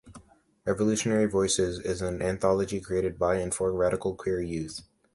Revolutionary Voices is an anthology created by and for radical queer youth.